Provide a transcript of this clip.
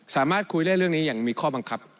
สามารถคุยได้เรื่องนี้อย่างมีข้อบังคับ